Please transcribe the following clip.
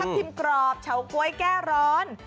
ชื่นใจทักพิมพ์กรอบเฉาก๊วยแก้ร้อน